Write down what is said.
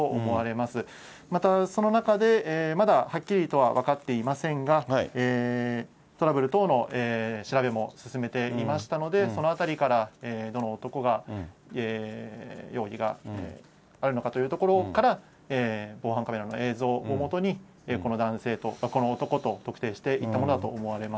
またその中で、まだはっきりとは分かっていませんが、トラブル等の調べも進めていましたので、そのあたりから、どの男が容疑があるのかというところから、防犯カメラの映像をもとに、この男と特定していったものだと思われます。